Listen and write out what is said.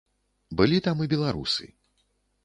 Былі там і беларусы.